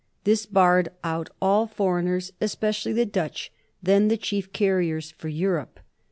This barred out all foreigners, especially the Dutch, then the chief carriers for Europe.